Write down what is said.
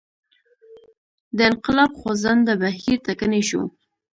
د انقلاب خوځنده بهیر ټکنی شو.